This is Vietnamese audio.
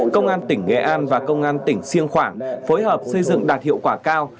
công an tỉnh nghệ an và công an tỉnh siêng khoảng phối hợp xây dựng đạt hiệu quả cao